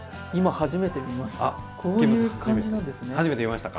初めて見ましたか。